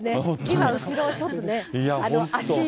今、後ろ、ちょっとね、足湯。